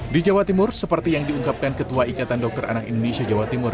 di jawa timur seperti yang diungkapkan ketua ikatan dokter anak indonesia jawa timur